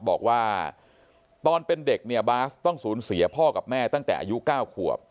บอกว่าตอนเป็นเด็กเนี่ยบาสต้องสูญเสียพ่อกับแม่ตั้งแต่อายุ๙ขวบ